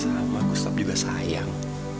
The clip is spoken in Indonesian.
sama gustaf juga sayang